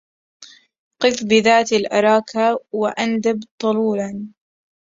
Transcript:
قف بذات الاراك واندب طلولا